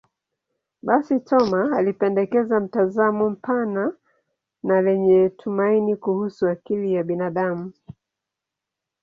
Basi, Thoma alipendekeza mtazamo mpana na lenye tumaini kuhusu akili ya binadamu.